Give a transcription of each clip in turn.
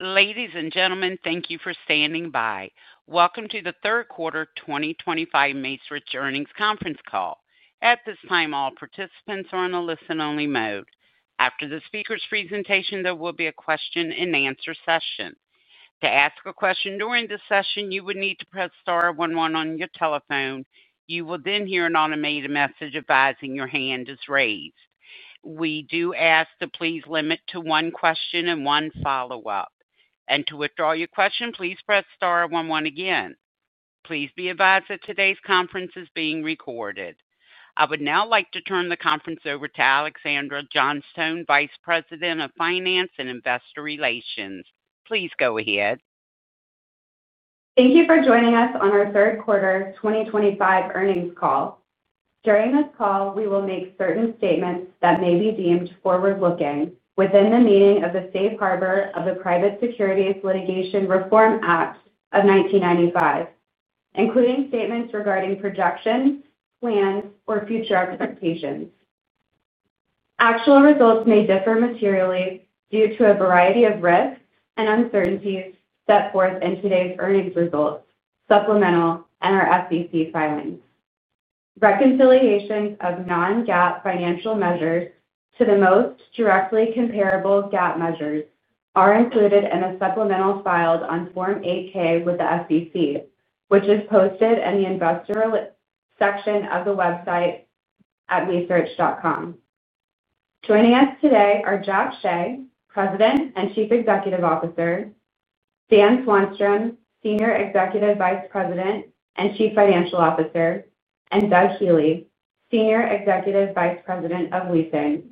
Ladies and gentlemen, thank you for standing by. Welcome to the third quarter 2025 Macerich earnings conference call. At this time, all participants are in a listen-only mode. After the speaker's presentation, there will be a question-and-answer session. To ask a question during this session, you would need to press star one one on your telephone. You will then hear an automated message advising your hand is raised. We do ask to please limit to one question and one follow-up. And to withdraw your question, please press star one one again. Please be advised that today's conference is being recorded. I would now like to turn the conference over to Alexandra Johnstone, Vice President of Finance and Investor Relations. Please go ahead. Thank you for joining us on our third quarter 2025 earnings call. During this call, we will make certain statements that may be deemed forward-looking within the meaning of the safe harbor of the Private Securities Litigation Reform Act of 1995, including statements regarding projections, plans, or future expectations. Actual results may differ materially due to a variety of risks and uncertainties set forth in today's earnings release, supplemental, and our SEC filings. Reconciliations of non-GAAP financial measures to the most directly comparable GAAP measures are included in a supplemental filed on Form 8-K with the SEC, which is posted in the Investor section of the website at macerich.com. Joining us today are Jack Hsieh, President and Chief Executive Officer; Dan Swanstrom, Senior Executive Vice President and Chief Financial Officer; and Doug Healey, Senior Executive Vice President of Leasing.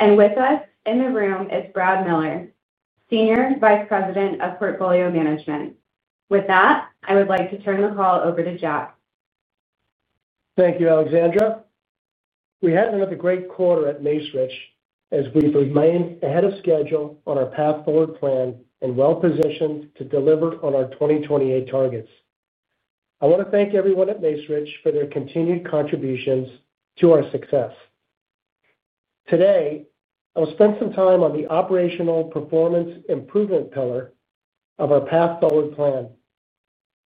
And with us in the room is Brad Miller, Senior Vice President of Portfolio Management. With that, I would like to turn the call over to Jack. Thank you, Alexandra. We had another great quarter at Macerich as we remained ahead of schedule on our Path Forward Plan and well-positioned to deliver on our 2028 targets. I want to thank everyone at Macerich for their continued contributions to our success. Today, I'll spend some time on the operational performance improvement pillar of our Path Forward Plan.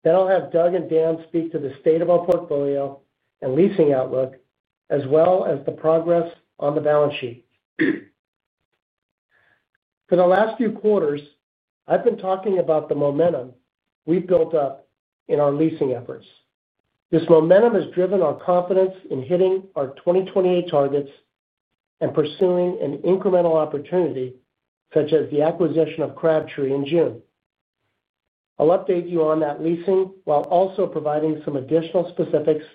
Then I'll have Doug and Dan speak to the state of our portfolio and leasing outlook, as well as the progress on the balance sheet. For the last few quarters, I've been talking about the momentum we've built up in our leasing efforts. This momentum has driven our confidence in hitting our 2028 targets and pursuing an incremental opportunity such as the acquisition of Crabtree in June. I'll update you on that leasing while also providing some additional specifics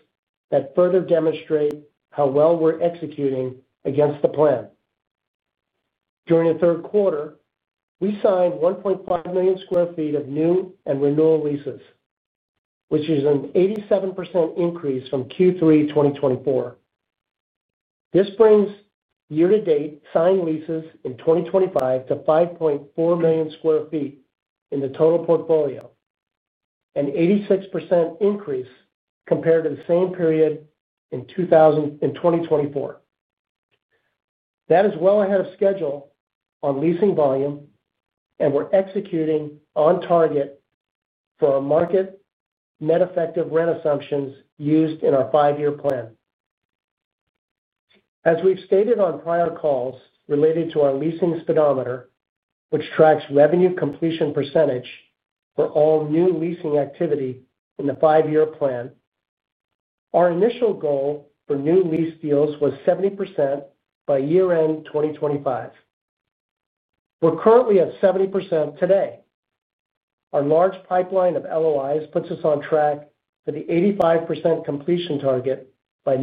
that further demonstrate how well we're executing against the plan. During the third quarter, we signed 1.5 million sq ft of new and renewal leases, which is an 87% increase from Q3 2024. This brings year-to-date signed leases in 2025 to 5.4 million sq ft in the total portfolio, an 86% increase compared to the same period in 2024. That is well ahead of schedule on leasing volume, and we're executing on target for our market net effective rent assumptions used in our five-year plan. As we've stated on prior calls related to our leasing speedometer, which tracks revenue completion percentage for all new leasing activity in the five-year plan. Our initial goal for new lease deals was 70% by year-end 2025. We're currently at 70% today. Our large pipeline of LOIs puts us on track for the 85% completion target by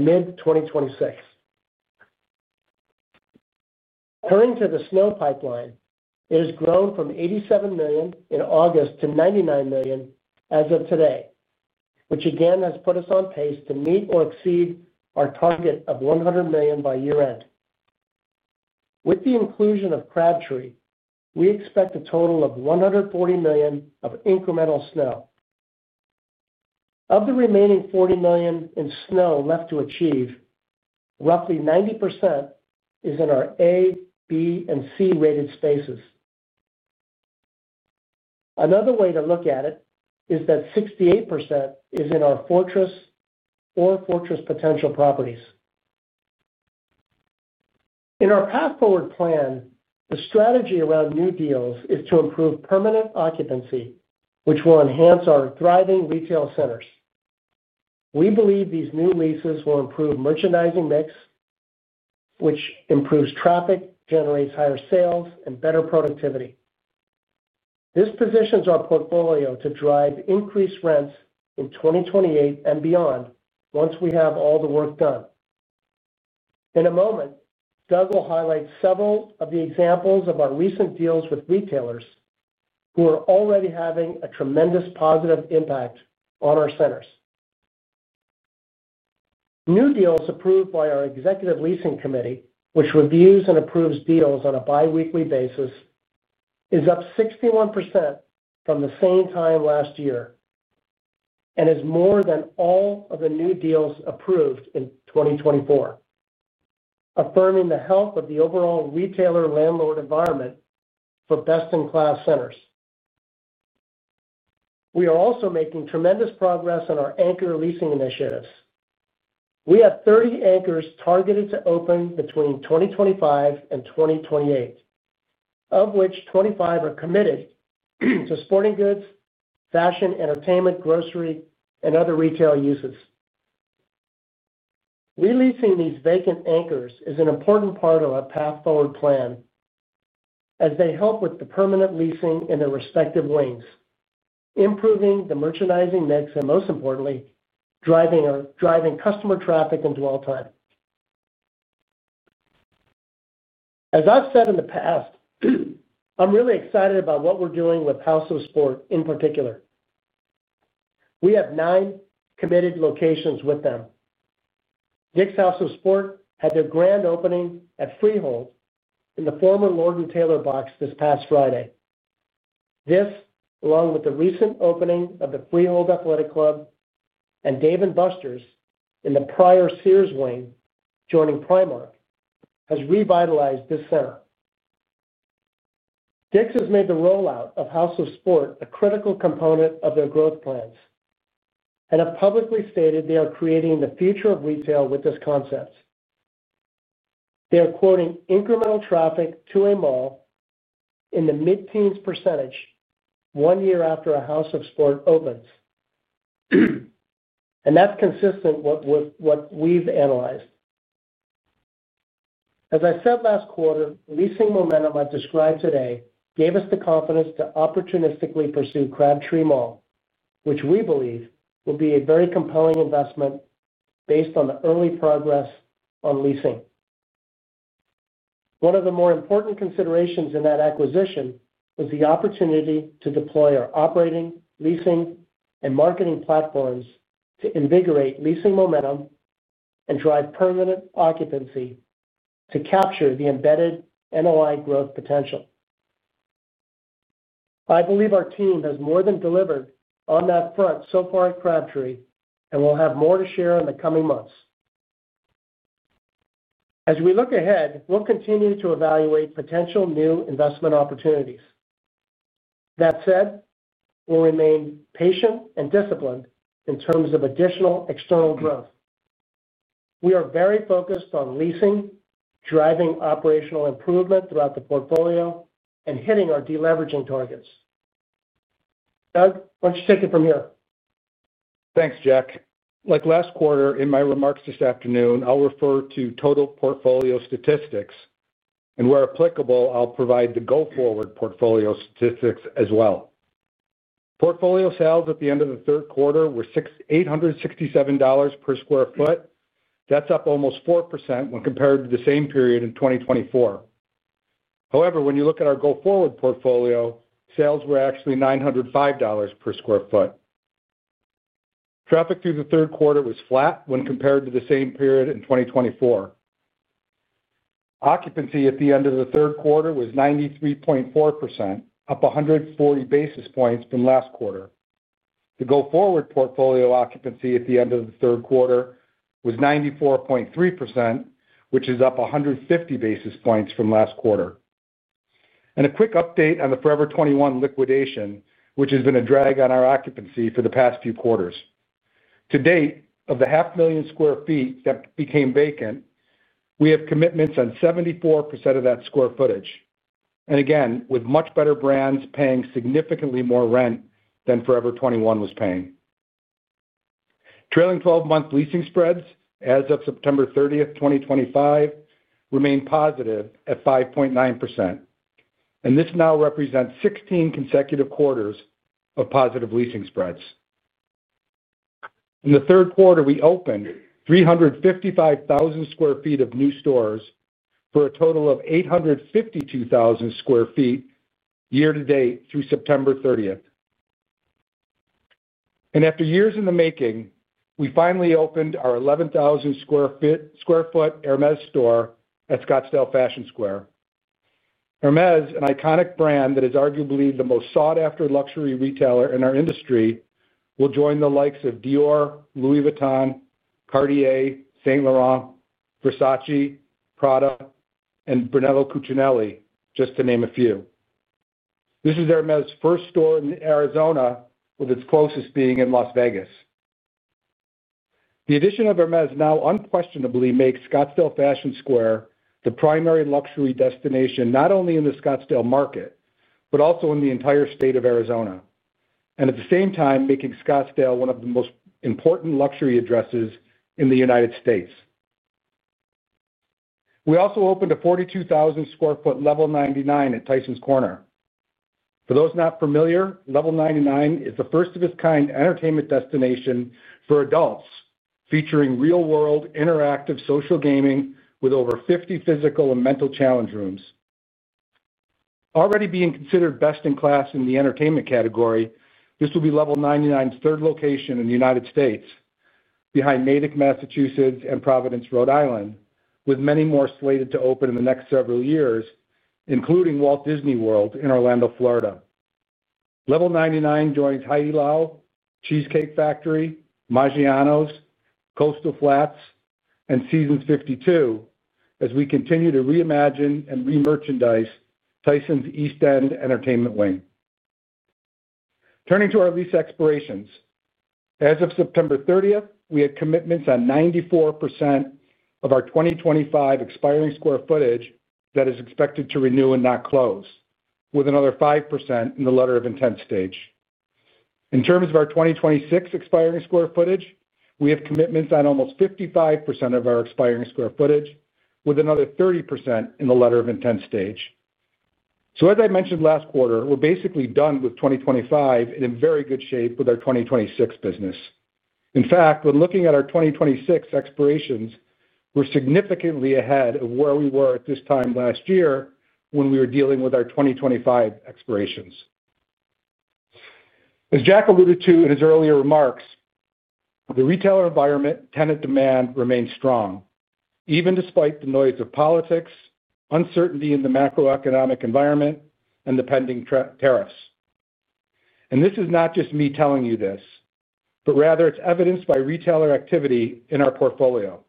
mid-2026. Turning to the SNO pipeline, it has grown from $87 million in August to $99 million as of today, which again has put us on pace to meet or exceed our target of $100 million by year-end. With the inclusion of Crabtree, we expect a total of $140 million of incremental SNO. Of the remaining $40 million in SNO left to achieve, roughly 90% is in our A, B, and C rated spaces. Another way to look at it is that 68% is in our fortress or fortress potential properties. In our Path Forward Plan, the strategy around new deals is to improve permanent occupancy, which will enhance our thriving retail centers. We believe these new leases will improve merchandising mix, which improves traffic, generates higher sales, and better productivity. This positions our portfolio to drive increased rents in 2028 and beyond once we have all the work done. In a moment, Doug will highlight several of the examples of our recent deals with retailers who are already having a tremendous positive impact on our centers. New deals approved by our Executive Leasing Committee, which reviews and approves deals on a biweekly basis, is up 61% from the same time last year, and is more than all of the new deals approved in 2024. Affirming the health of the overall retailer landlord environment for best-in-class centers. We are also making tremendous progress on our anchor leasing initiatives. We have 30 anchors targeted to open between 2025 and 2028. Of which 25 are committed to sporting goods, fashion, entertainment, grocery, and other retail uses. Releasing these vacant anchors is an important part of our Path Forward Plan. As they help with the permanent leasing in their respective wings, improving the merchandising mix, and most importantly, driving customer traffic into the center. As I've said in the past, I'm really excited about what we're doing with House of Sport in particular. We have nine committed locations with them. Dick's House of Sport had their grand opening at Freehold in the former Lord and Taylor box this past Friday. This, along with the recent opening of the Freehold Athletic Club and Dave and Busters in the prior Sears wing joining Primark, has revitalized this center. Dick's has made the rollout of House of Sport a critical component of their growth plans and have publicly stated they are creating the future of retail with this concept. They are quoting incremental traffic to a mall in the mid-teens% one year after a House of Sport opens. And that's consistent with what we've analyzed. As I said last quarter, leasing momentum I described today gave us the confidence to opportunistically pursue Crabtree Mall, which we believe will be a very compelling investment based on the early progress on leasing. One of the more important considerations in that acquisition was the opportunity to deploy our operating, leasing, and marketing platforms to invigorate leasing momentum and drive permanent occupancy to capture the embedded NOI growth potential. I believe our team has more than delivered on that front so far at Crabtree and will have more to share in the coming months. As we look ahead, we'll continue to evaluate potential new investment opportunities. That said, we'll remain patient and disciplined in terms of additional external growth. We are very focused on leasing, driving operational improvement throughout the portfolio, and hitting our deleveraging targets. Doug, why don't you take it from here? Thanks, Jack. Like last quarter, in my remarks this afternoon, I'll refer to total portfolio statistics. And where applicable, I'll provide the go-forward portfolio statistics as well. Portfolio sales at the end of the third quarter were $867 per sq ft. That's up almost 4% when compared to the same period in 2024. However, when you look at our go-forward portfolio, sales were actually $905 per sq ft. Traffic through the third quarter was flat when compared to the same period in 2024. Occupancy at the end of the third quarter was 93.4%, up 140 basis points from last quarter. The go-forward portfolio occupancy at the end of the third quarter was 94.3%, which is up 150 basis points from last quarter. And a quick update on the Forever 21 liquidation, which has been a drag on our occupancy for the past few quarters. To date, of the 500,000 sq ft that became vacant, we have commitments on 74% of that square footage. And again, with much better brands paying significantly more rent than Forever 21 was paying. Trailing 12-month leasing spreads as of September 30th, 2025 remained positive at 5.9%. And this now represents 16 consecutive quarters of positive leasing spreads. In the third quarter, we opened 355,000 sq ft of new stores for a total of 852,000 sq ft year-to-date through September 30th. And after years in the making, we finally opened our 11,000 sq ft Hermès store at Scottsdale Fashion Square. Hermès, an iconic brand that is arguably the most sought-after luxury retailer in our industry, will join the likes of Dior, Louis Vuitton, Cartier, Saint Laurent, Versace, Prada, and Brunello Cucinelli, just to name a few. This is Hermès' first store in Arizona, with its closest being in Las Vegas. The addition of Hermès now unquestionably makes Scottsdale Fashion Square the primary luxury destination not only in the Scottsdale market, but also in the entire state of Arizona. And at the same time, making Scottsdale one of the most important luxury addresses in the United States. We also opened a 42,000 sq ft Level 99 at Tysons Corner. For those not familiar, Level 99 is the first-of-its-kind entertainment destination for adults, featuring real-world interactive social gaming with over 50 physical and mental challenge rooms. Already being considered best in class in the entertainment category, this will be Level 99's third location in the United States, behind Natick, Massachusetts, and Providence, Rhode Island, with many more slated to open in the next several years, including Walt Disney World in Orlando, Florida. Level 99 joins Heidi Lau, Cheesecake Factory, Maggiano's, Coastal Flats, and Seasons 52 as we continue to reimagine and remerchandise Tysons East End entertainment wing. Turning to our lease expirations. As of September 30th, we had commitments on 94% of our 2025 expiring square footage that is expected to renew and not close, with another 5% in the letter of intent stage. In terms of our 2026 expiring square footage, we have commitments on almost 55% of our expiring square footage, with another 30% in the letter of intent stage. So, as I mentioned last quarter, we're basically done with 2025 in very good shape with our 2026 business. In fact, when looking at our 2026 expirations, we're significantly ahead of where we were at this time last year when we were dealing with our 2025 expirations, as Jack alluded to in his earlier remarks. The retailer environment tenant demand remains strong, even despite the noise of politics, uncertainty in the macroeconomic environment, and the pending tariffs. And this is not just me telling you this, but rather it's evidenced by retailer activity in our portfolio.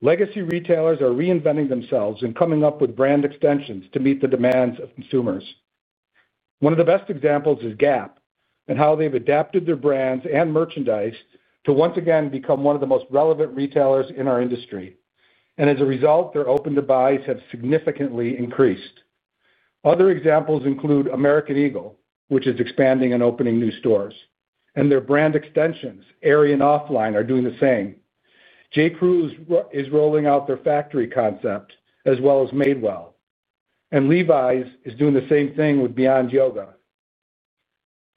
Legacy retailers are reinventing themselves and coming up with brand extensions to meet the demands of consumers. One of the best examples is Gap and how they've adapted their brands and merchandise to once again become one of the most relevant retailers in our industry. And as a result, their open-to-buys have significantly increased. Other examples include American Eagle, which is expanding and opening new stores. And their brand extensions, Aerie and Offline, are doing the same. J.Crew is rolling out their factory concept as well as Madewell. And Levi's is doing the same thing with Beyond Yoga.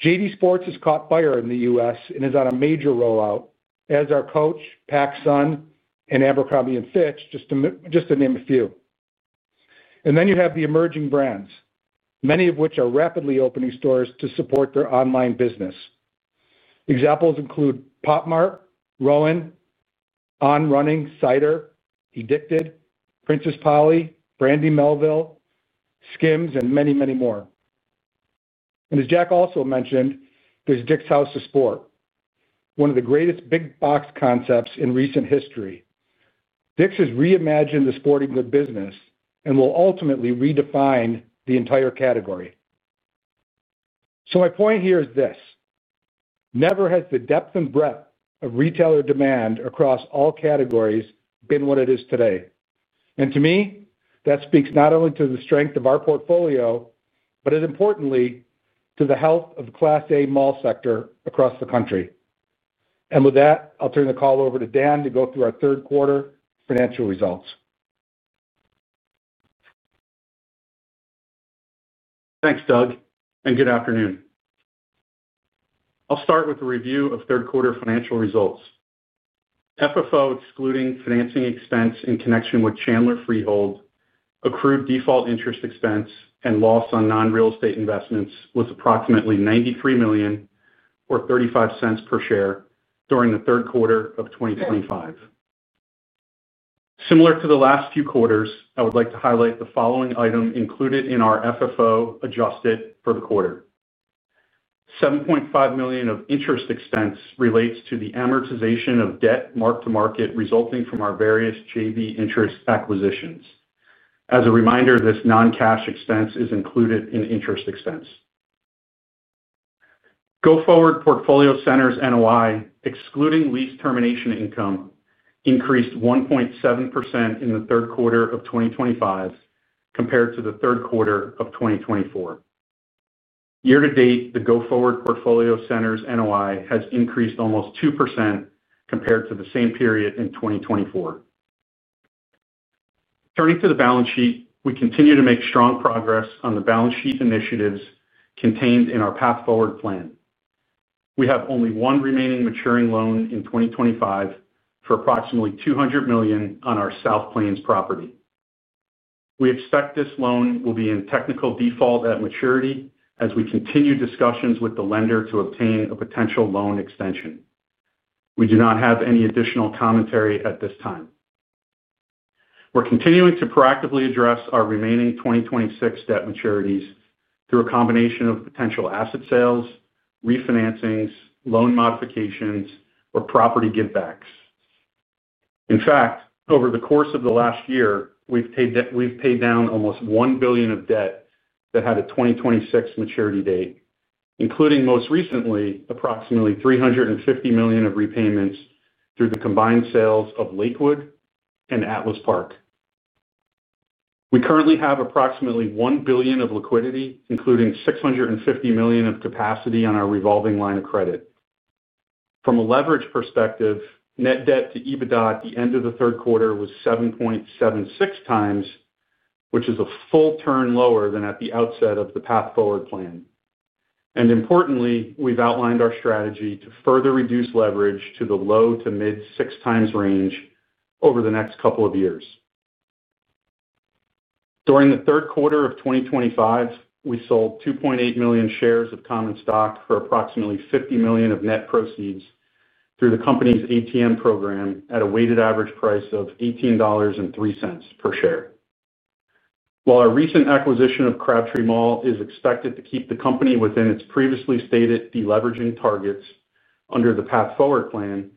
JD Sports has caught fire in the U.S. and is on a major rollout, as are Coach, PacSun, and Abercrombie & Fitch, just to name a few. And then you have the emerging brands, many of which are rapidly opening stores to support their online business. Examples include Pop Mart, Rowan, On Running, Cider, Addicted, Princess Polly, Brandy Melville, Skims, and many, many more. And as Jack also mentioned, there's Dick's House of Sport. One of the greatest big-box concepts in recent history. Dick's has reimagined the sporting goods business and will ultimately redefine the entire category. So my point here is this. Never has the depth and breadth of retailer demand across all categories been what it is today. And to me, that speaks not only to the strength of our portfolio, but importantly, to the health of the Class A mall sector across the country. And with that, I'll turn the call over to Dan to go through our third quarter financial results. Thanks, Doug. Good afternoon. I'll start with a review of third quarter financial results. FFO, excluding financing expense in connection with Chandler and Freehold, accrued default interest expense and loss on non-real estate investments was approximately $93.35 per share during the third quarter of 2025. Similar to the last few quarters, I would like to highlight the following item included in our FFO adjusted for the quarter. $7.5 million of interest expense relates to the amortization of debt marked to market resulting from our various JV interest acquisitions. As a reminder, this non-cash expense is included in interest expense. Go-Forward Portfolio Centers NOI, excluding lease termination income, increased 1.7% in the third quarter of 2025 compared to the third quarter of 2024. Year-to-date, the Go-Forward Portfolio Centers NOI has increased almost 2% compared to the same period in 2024. Turning to the balance sheet, we continue to make strong progress on the balance sheet initiatives contained in our Path Forward Plan. We have only one remaining maturing loan in 2025 for approximately $200 million on our South Plains property. We expect this loan will be in technical default at maturity as we continue discussions with the lender to obtain a potential loan extension. We do not have any additional commentary at this time. We're continuing to proactively address our remaining 2026 debt maturities through a combination of potential asset sales, refinancings, loan modifications, or property give-backs. In fact, over the course of the last year, we've paid down almost $1 billion of debt that had a 2026 maturity date, including most recently, approximately $350 million of repayments through the combined sales of Lakewood and Atlas Park. We currently have approximately $1 billion of liquidity, including $650 million of capacity on our revolving line of credit. From a leverage perspective, net debt to EBITDA at the end of the third quarter was 7.76x, which is a full turn lower than at the outset of the Path Forward Plan. Importantly, we've outlined our strategy to further reduce leverage to the low to mid 6x range over the next couple of years. During the third quarter of 2025, we sold 2.8 million shares of common stock for approximately $50 million of net proceeds through the company's ATM program at a weighted average price of $18.03 per share. While our recent acquisition of Crabtree Mall is expected to keep the company within its previously stated deleveraging targets under the Path Forward Plan,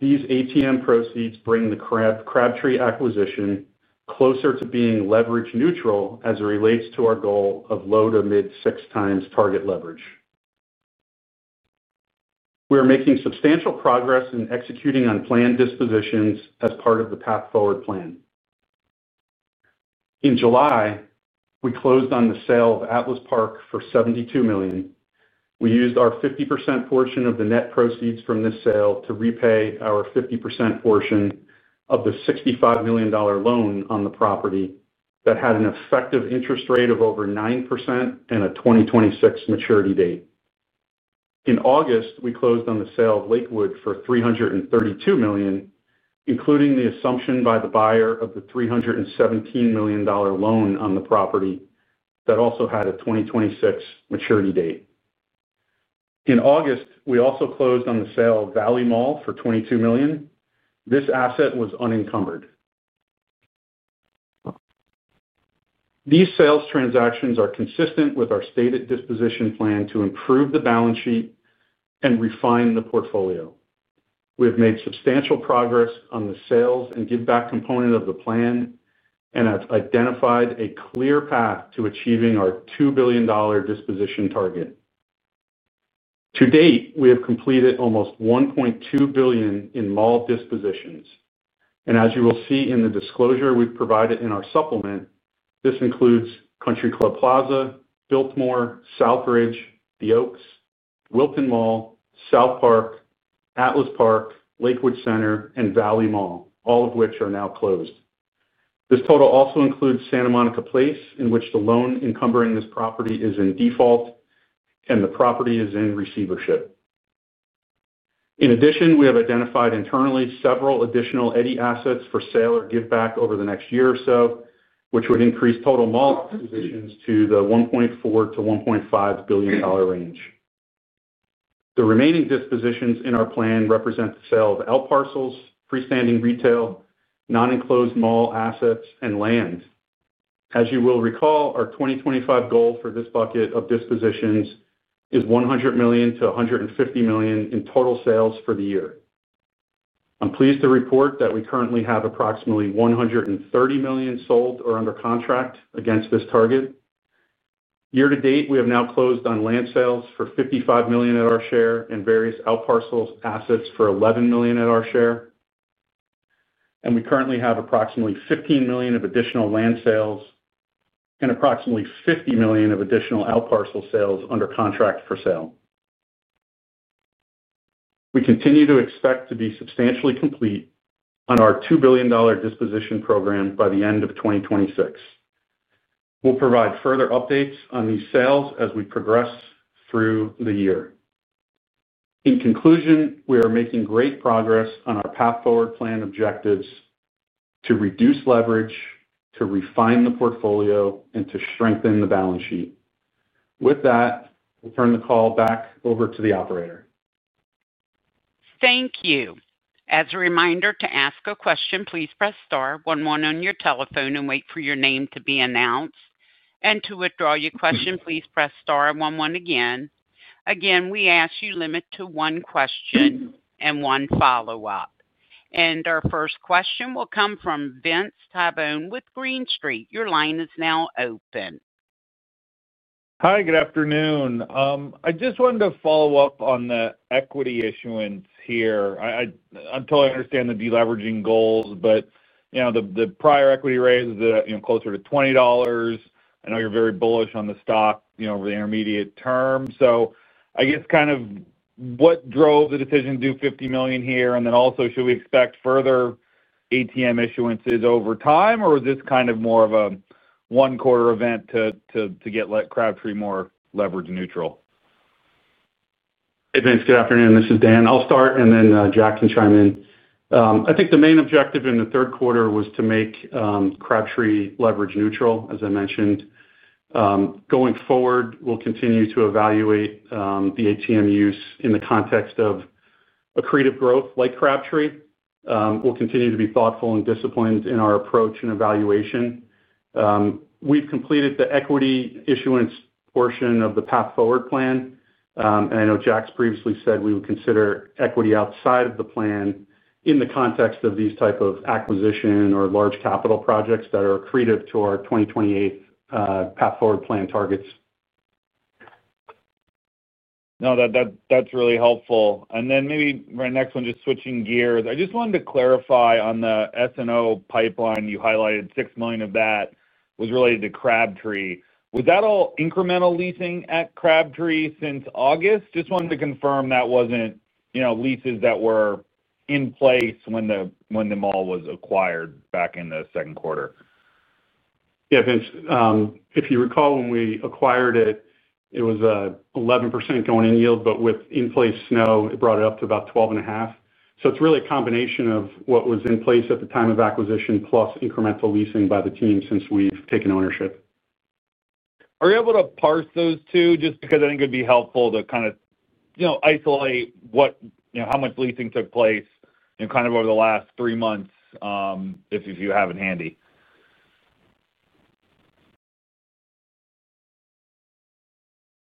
these ATM proceeds bring the Crabtree acquisition closer to being leverage neutral as it relates to our goal of low to mid 6x target leverage. We are making substantial progress in executing on planned dispositions as part of the Path Forward Plan. In July, we closed on the sale of Atlas Park for $72 million. We used our 50% portion of the net proceeds from this sale to repay our 50% portion of the $65 million loan on the property that had an effective interest rate of over 9% and a 2026 maturity date. In August, we closed on the sale of Lakewood Center for $332 million, including the assumption by the buyer of the $317 million loan on the property that also had a 2026 maturity date. In August, we also closed on the sale of Valley Mall for $22 million. This asset was unencumbered. These sales transactions are consistent with our stated disposition plan to improve the balance sheet and refine the portfolio. We have made substantial progress on the sales and give-back component of the plan. And have identified a clear path to achieving our $2 billion disposition target. To date, we have completed almost $1.2 billion in mall dispositions. And as you will see in the disclosure we've provided in our supplement, this includes Country Club Plaza, Biltmore, Southridge, The Oaks, Wilton Mall, South Park, Atlas Park, Lakewood Center, and Valley Mall, all of which are now closed. This total also includes Santa Monica Place, in which the loan encumbering this property is in default, and the property is in receivership. In addition, we have identified internally several additional eddy assets for sale or give-back over the next year or so, which would increase total mall dispositions to the $1.4 billion-$1.5 billion range. The remaining dispositions in our plan represent the sale of L parcels, freestanding retail, non-enclosed mall assets, and land. As you will recall, our 2025 goal for this bucket of dispositions is $100 million-$150 million in total sales for the year. I'm pleased to report that we currently have approximately $130 million sold or under contract against this target. Year-to-date, we have now closed on land sales for $55 million of our share and various L parcel assets for $11 million of our share. And we currently have approximately $15 million of additional land sales. And approximately $50 million of additional L parcel sales under contract for sale. We continue to expect to be substantially complete on our $2 billion disposition program by the end of 2026. We'll provide further updates on these sales as we progress through the year. In conclusion, we are making great progress on our path forward plan objectives to reduce leverage, to refine the portfolio, and to strengthen the balance sheet. With that, we'll turn the call back over to the operator. Thank you. As a reminder to ask a question, please press star one one on your telephone and wait for your name to be announced. And to withdraw your question, please press star one one again. Again, we ask you to limit to one question and one follow-up. And our first question will come from Vince Tabone with Green Street. Your line is now open. Hi, good afternoon. I just wanted to follow up on the equity issuance here. I'm totally understanding the deleveraging goals, but the prior equity rate is closer to $20. I know you're very bullish on the stock over the intermediate term. So I guess kind of what drove the decision to do $50 million here? And then also, should we expect further ATM issuance over time, or was this kind of more of a one-quarter event to get Crabtree more leverage neutral? Hey, Vince. Good afternoon. This is Dan. I'll start, and then Jack can chime in. I think the main objective in the third quarter was to make Crabtree leverage neutral, as I mentioned. Going forward, we'll continue to evaluate the ATM use in the context of accretive growth like Crabtree. We'll continue to be thoughtful and disciplined in our approach and evaluation. We've completed the equity issuance portion of the Path Forward Plan. And I know Jack's previously said we would consider equity outside of the plan in the context of these types of acquisition or large capital projects that are accretive to our 2028 Path Forward Plan targets. No, that's really helpful. And then maybe my next one, just switching gears, I just wanted to clarify on the SNO pipeline you highlighted. $6 million of that was related to Crabtree. Was that all incremental leasing at Crabtree since August? Just wanted to confirm that wasn't leases that were in place when the mall was acquired back in the second quarter. Yeah, Vince. If you recall, when we acquired it, it was an 11% going in yield, but with in-place NOI, it brought it up to about 12.5%. So it's really a combination of what was in place at the time of acquisition plus incremental leasing by the team since we've taken ownership. Are you able to parse those two? Just because I think it'd be helpful to kind of isolate how much leasing took place kind of over the last three months, if you have it handy.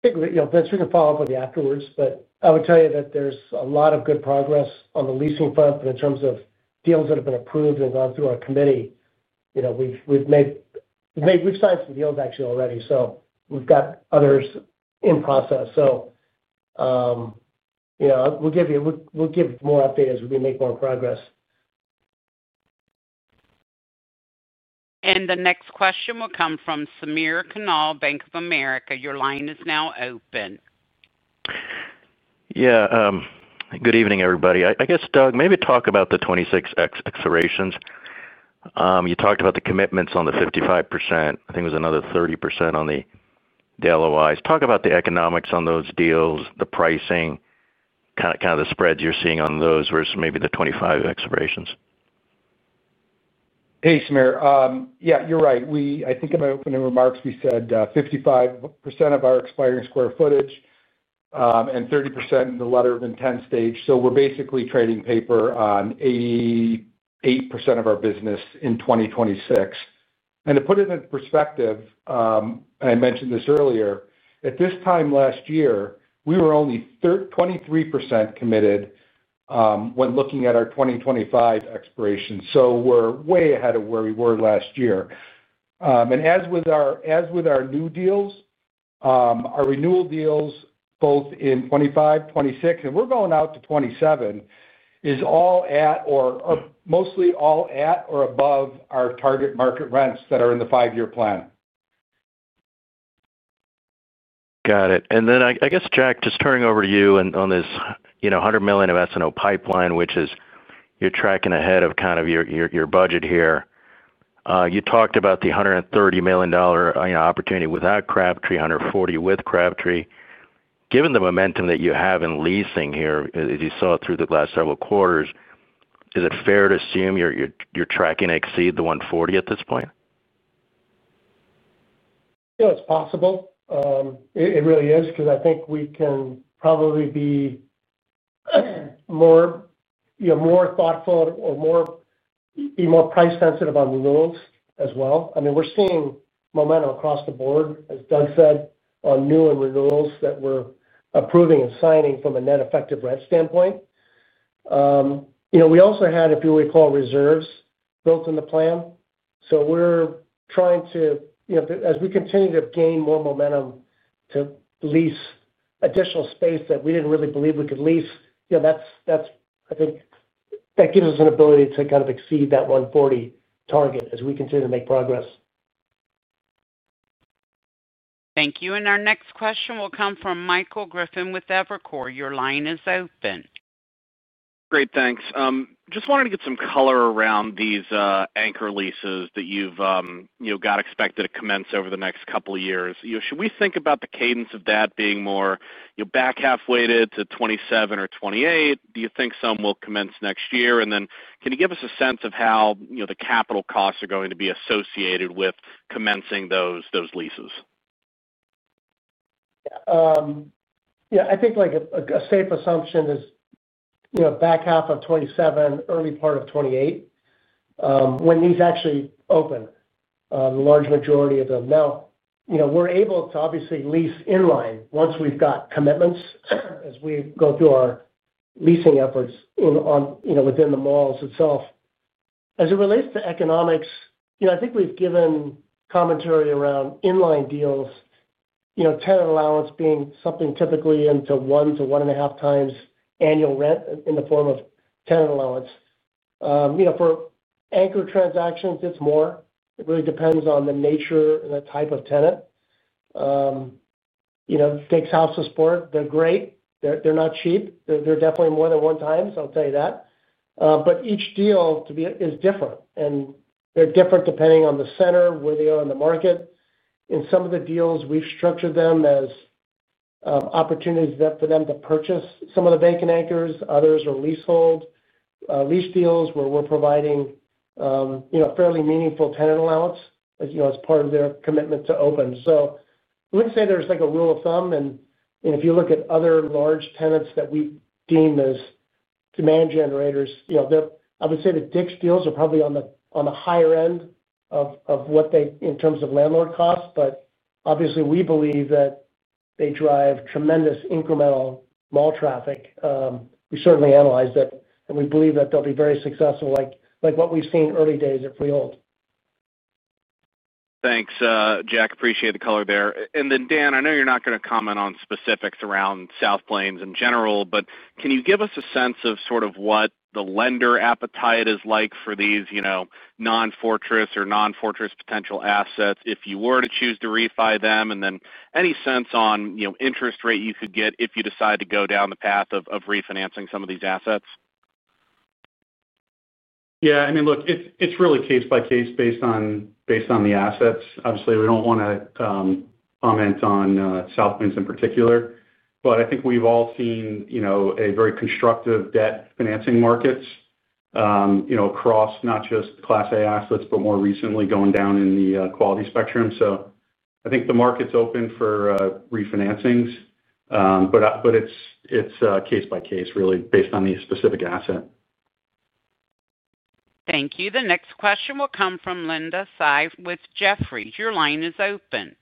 I think, Vince, we can follow up with you afterwards, but I would tell you that there's a lot of good progress on the leasing front. But in terms of deals that have been approved and gone through our committee, we've signed some deals, actually, already. So we've got others in process. So. We'll give you more update as we make more progress. And the next question will come from Samir Khanal, Bank of America. Your line is now open. Yeah. Good evening, everybody. I guess, Doug, maybe talk about the 2026 accelerations. You talked about the commitments on the 55%. I think it was another 30% on the LOIs. Talk about the economics on those deals, the pricing, kind of the spreads you're seeing on those versus maybe the 2025 accelerations. Hey, Samir. Yeah, you're right. I think in my opening remarks, we said 55% of our expiring square footage. And 30% in the letter of intent stage. So we're basically trading paper on 88% of our business in 2026. And to put it into perspective. I mentioned this earlier, at this time last year, we were only 23% committed. When looking at our 2025 expiration. So we're way ahead of where we were last year. And as with our new deals. Our renewal deals, both in 2025, 2026, and we're going out to 2027, is all at or mostly all at or above our target market rents that are in the five-year plan. Got it. And then I guess, Jack, just turning over to you on this $100 million of SNO pipeline, which is you're tracking ahead of kind of your budget here. You talked about the $130 million opportunity without Crabtree, $140 with Crabtree. Given the momentum that you have in leasing here, as you saw through the last several quarters, is it fair to assume you're tracking to exceed the $140 at this point? Yeah, it's possible. It really is because I think we can probably be more thoughtful or be more price-sensitive on renewals as well. I mean, we're seeing momentum across the board, as Doug said, on new and renewals that we're approving and signing from a net effective rent standpoint. We also had, if you recall, reserves built in the plan. So we're trying to, as we continue to gain more momentum to lease additional space that we didn't really believe we could lease, that's, I think, that gives us an ability to kind of exceed that $140 target as we continue to make progress. Thank you. And our next question will come from Michael Griffin with Evercore. Your line is open. Great. Thanks. Just wanted to get some color around these anchor leases that you've got expected to commence over the next couple of years. Should we think about the cadence of that being more back half-weighted to 2027 or 2028? Do you think some will commence next year? And then can you give us a sense of how the capital costs are going to be associated with commencing those leases? Yeah. I think a safe assumption is back half of 2027, early part of 2028. When these actually open, the large majority of them. Now, we're able to obviously lease inline once we've got commitments as we go through our leasing efforts within the malls itself. As it relates to economics, I think we've given commentary around inline deals, tenant allowance being something typically in the 1x-1.5x annual rent in the form of tenant allowance. For anchor transactions, it's more. It really depends on the nature and the type of tenant. Dick's House of Sport, they're great. They're not cheap. They're definitely more than one time, so I'll tell you that. But each deal is different. And they're different depending on the center, where they are in the market. In some of the deals, we've structured them as opportunities for them to purchase some of the vacant anchors. Others are leasehold lease deals where we're providing fairly meaningful tenant allowance as part of their commitment to open. So I wouldn't say there's a rule of thumb. And if you look at other large tenants that we deem as demand generators. I would say the Dick's deals are probably on the higher end of what they, in terms of landlord costs. But obviously, we believe that they drive tremendous incremental mall traffic. We certainly analyze that. And we believe that they'll be very successful, like what we've seen early days at Freehold. Thanks, Jack. Appreciate the color there. And then, Dan, I know you're not going to comment on specifics around South Plains in general, but can you give us a sense of sort of what the lender appetite is like for these non-Fortress or non-Fortress potential assets if you were to choose to refi them? And then any sense on interest rate you could get if you decide to go down the path of refinancing some of these assets? Yeah. I mean, look, it's really case by case based on the assets. Obviously, we don't want to comment on South Plains in particular. But I think we've all seen a very constructive debt financing markets across not just Class A assets, but more recently going down in the quality spectrum. So I think the market's open for refinancings. But it's case by case, really, based on the specific asset. Thank you. The next question will come from Linda Tsai with Jefferies. Your line is open.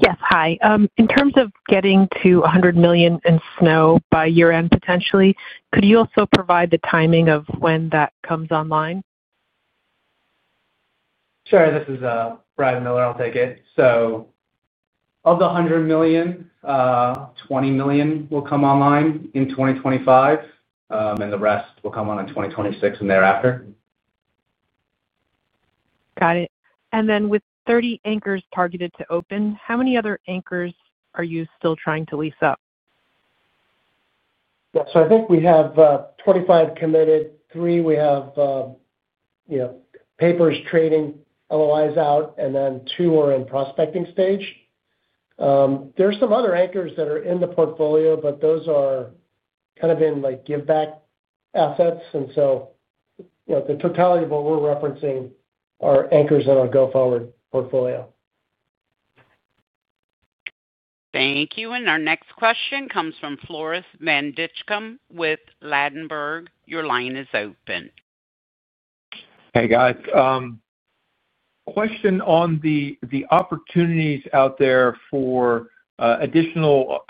Yes. Hi. In terms of getting to $100 million in SNO by year-end potentially, could you also provide the timing of when that comes online? Sorry, this is Brad Miller. I'll take it. So, of the $100 million, $20 million will come online in 2025, and the rest will come online in 2026 and thereafter. Got it. And then with the 30 anchors targeted to open, how many other anchors are you still trying to lease up? Yeah. So I think we have 25 committed. Three, we have papers trading LOIs out, and then two are in prospecting stage. There are some other anchors that are in the portfolio, but those are kind of in give-back assets. And so the totality of what we're referencing are anchors in our go-forward portfolio. Thank you. And our next question comes from Floris van Dijkum with Ladenburg. Your line is open. Hey, guys. Question on the opportunities out there for additional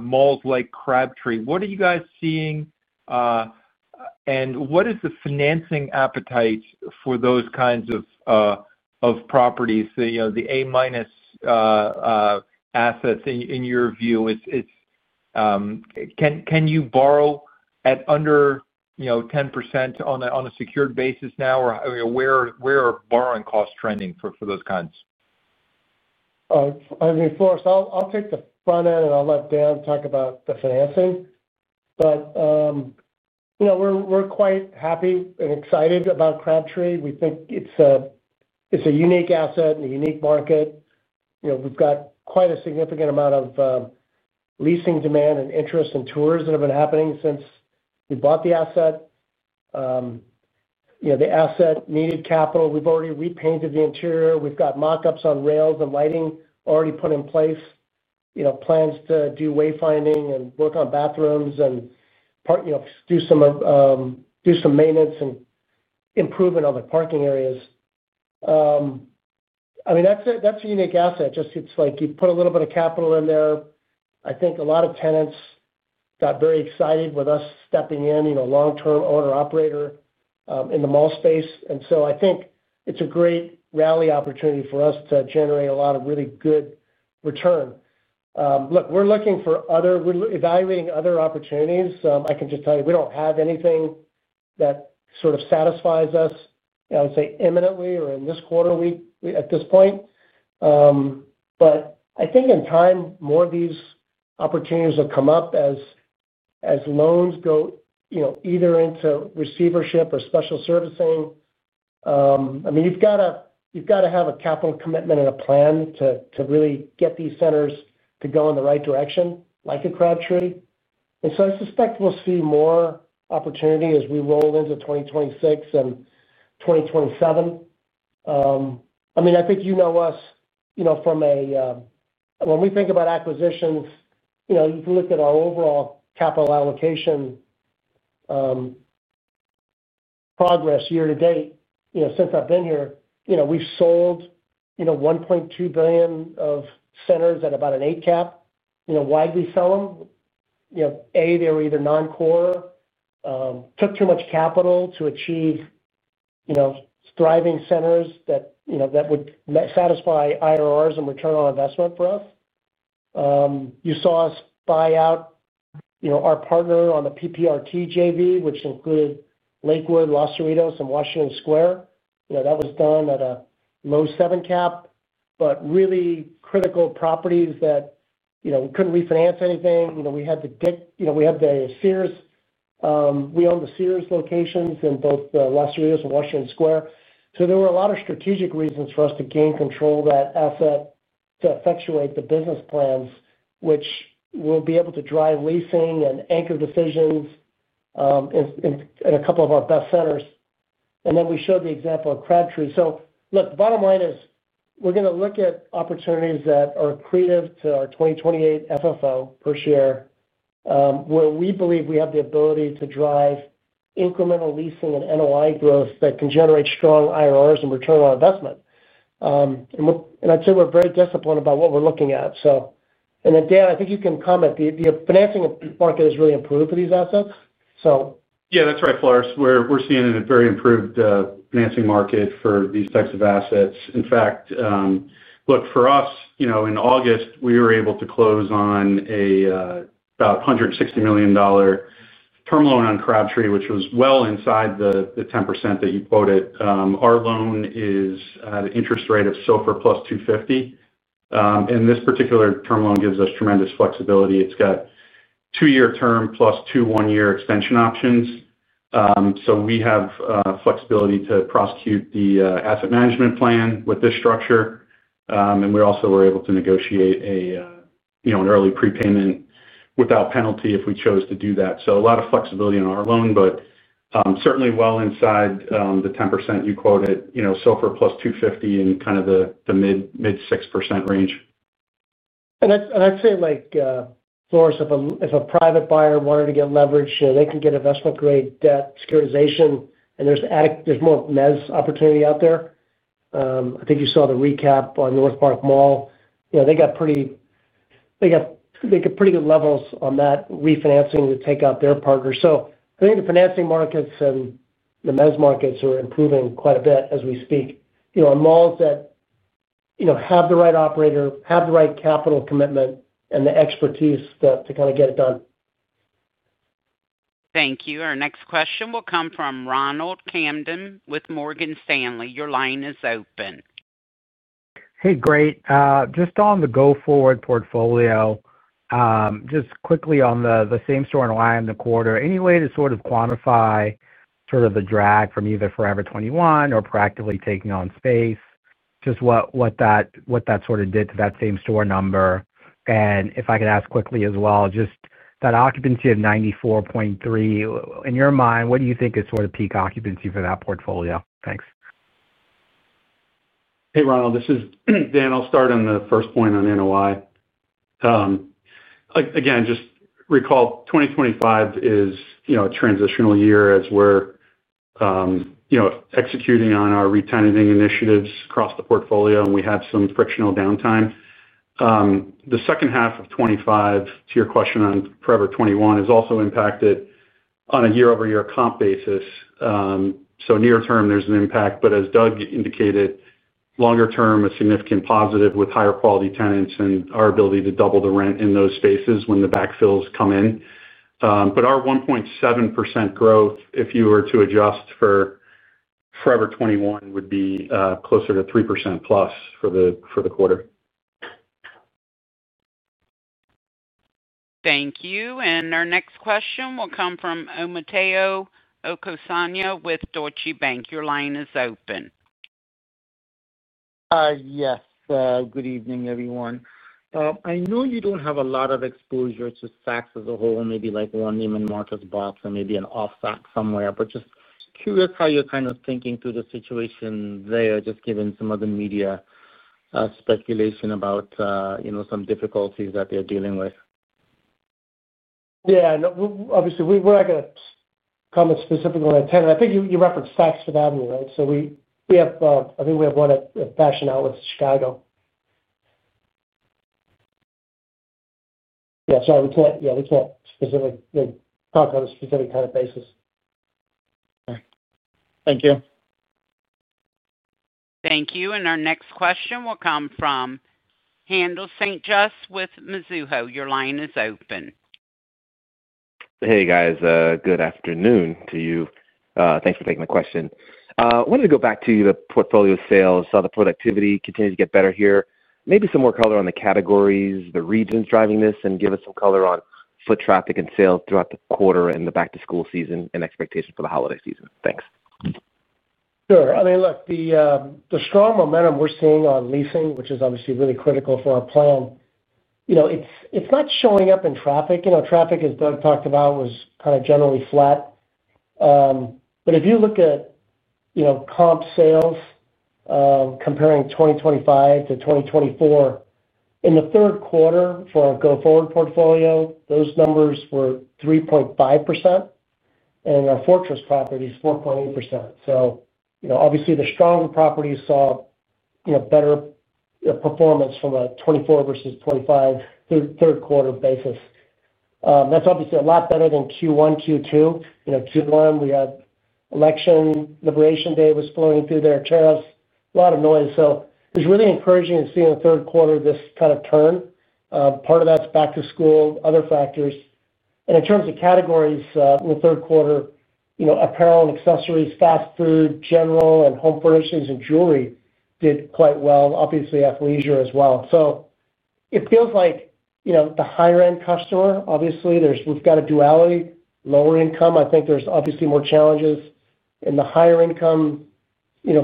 malls like Crabtree. What are you guys seeing? And what is the financing appetite for those kinds of properties? The assets, in your view, can you borrow at under 10% on a secured basis now? Or where are borrowing costs trending for those kinds? I mean, Floris, I'll take the front end, and I'll let Dan talk about the financing. But we're quite happy and excited about Crabtree. We think it's a unique asset in a unique market. We've got quite a significant amount of leasing demand and interest and tours that have been happening since we bought the asset. The asset needed capital. We've already repainted the interior. We've got mock-ups on rails and lighting already put in place. Plans to do wayfinding and work on bathrooms and do some maintenance and improvement on the parking areas. I mean, that's a unique asset. Just it's like you put a little bit of capital in there. I think a lot of tenants got very excited with us stepping in, long-term owner-operator in the mall space. And so I think it's a great rally opportunity for us to generate a lot of really good return. Look, we're looking for other we're evaluating other opportunities. I can just tell you, we don't have anything that sort of satisfies us, I would say, imminently or in this quarter at this point. But I think in time, more of these opportunities will come up as loans go either into receivership or special servicing. I mean, you've got to have a capital commitment and a plan to really get these centers to go in the right direction, like at Crabtree. And so I suspect we'll see more opportunity as we roll into 2026 and 2027. I mean, I think you know us from a when we think about acquisitions, you can look at our overall capital allocation progress year to date. Since I've been here, we've sold $1.2 billion of centers at about an eight-cap. Why'd we sell them? A, they were either non-core. Took too much capital to achieve thriving centers that would satisfy IRRs and return on investment for us. You saw us buy out our partner on the PPRT JV, which included Lakewood, Los Cerritos, and Washington Square. That was done at a low seven-cap, but really critical properties that we couldn't refinance anything. We had the Dick's. We had the Sears. We owned the Sears locations in both Los Cerritos and Washington Square. So there were a lot of strategic reasons for us to gain control of that asset to effectuate the business plans, which will be able to drive leasing and anchor decisions in a couple of our best centers. And then we showed the example of Crabtree. So look, the bottom line is we're going to look at opportunities that are accretive to our 2028 FFO per share. Where we believe we have the ability to drive incremental leasing and NOI growth that can generate strong IRRs and return on investment. And I'd say we're very disciplined about what we're looking at. And then, Dan, I think you can comment. The financing market has really improved for these assets, so. Yeah, that's right, Floris. We're seeing a very improved financing market for these types of assets. In fact. Look, for us, in August, we were able to close on. About $160 million. Term loan on Crabtree, which was well inside the 10% that you quoted. Our loan is at an interest rate of SOFR plus 250. And this particular term loan gives us tremendous flexibility. It's got two-year term plus two one-year extension options. So we have flexibility to prosecute the asset management plan with this structure. And we also were able to negotiate an. Early prepayment without penalty if we chose to do that. So a lot of flexibility on our loan, but certainly well inside the 10% you quoted at SOFR plus 250 and kind of the mid 6% range. I'd say, Floris, if a private buyer wanted to get leverage, they can get investment-grade debt securitization, and there's more MES opportunity out there. I think you saw the recap on NorthPark Center. They got pretty good levels on that refinancing to take out their partners. So I think the financing markets and the MES markets are improving quite a bit as we speak on malls that have the right operator, have the right capital commitment, and the expertise to kind of get it done. Thank you. Our next question will come from Ronald Kamdem with Morgan Stanley. Your line is open. Hey, great. Just on the go-forward portfolio. Just quickly on the same-store in-line in the quarter, any way to sort of quantify sort of the drag from either Forever 21 or proactively taking on space, just what that sort of did to that same-store number? And if I could ask quickly as well, just that occupancy of 94.3%, in your mind, what do you think is sort of peak occupancy for that portfolio? Thanks. Hey, Ronald. This is Dan. I'll start on the first point on NOI. Again, just recall, 2025 is a transitional year as we're executing on our retenting initiatives across the portfolio, and we had some frictional downtime. The second half of '25, to your question on Forever 21, is also impacted on a year-over-year comp basis. So near term, there's an impact. But as Doug indicated, longer term, a significant positive with higher quality tenants and our ability to double the rent in those spaces when the backfills come in. But our 1.7% growth, if you were to adjust for Forever 21, would be closer to 3%+ for the quarter. Thank you. And our next question will come from Omotayo Okusanya with Deutsche Bank. Your line is open. Hi, yes. Good evening, everyone. I know you don't have a lot of exposure to Saks as a whole, maybe like one name and Macy's, Brooks and maybe an off-Saks somewhere. But just curious how you're kind of thinking through the situation there, just given some of the media speculation about some difficulties that they're dealing with. Yeah. Obviously, we're not going to comment specifically on a tenant. I think you referenced Saks for that one, right? So I think we have one at Fashion Outlets of Chicago. Yeah. Sorry. Yeah, we can't specifically talk on a specific kind of basis. Okay. Thank you. Thank you. And our next question will come from Haendel St. Juste with Mizuho. Your line is open. Hey, guys. Good afternoon to you. Thanks for taking the question. I wanted to go back to the portfolio sales. Saw the productivity continue to get better here. Maybe some more color on the categories, the region driving this, and give us some color on foot traffic and sales throughout the quarter and the back-to-school season and expectations for the holiday season. Thanks. Sure. I mean, look, the strong momentum we're seeing on leasing, which is obviously really critical for our plan. It's not showing up in traffic. Traffic, as Doug talked about, was kind of generally flat, but if you look at comp sales, comparing 2025 to 2024, in the third quarter for our go-forward portfolio, those numbers were 3.5%, and our Fortress properties 4.8%, so obviously, the stronger properties saw better performance from a 2024 versus 2025 third quarter basis. That's obviously a lot better than Q1, Q2. Q1, we had election, Labor Day was flowing through their tariffs, a lot of noise, so it's really encouraging to see in the third quarter this kind of turn. Part of that's back-to-school, other factors, and in terms of categories in the third quarter, apparel and accessories, fast food, general and home furnishings, and jewelry did quite well, obviously and leisure as well, so it feels like the higher-end customer, obviously, we've got a duality. Lower income, I think there's obviously more challenges. In the higher-income